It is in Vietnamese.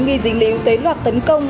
nghi dính lý ưu tế loạt tấn công